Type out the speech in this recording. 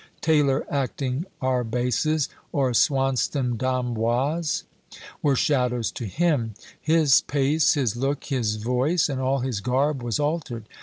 Taylor acting Arbaces, or Swanston D'Amboise, were shadows to him: his pace, his look, his voice, and all his garb, was altered.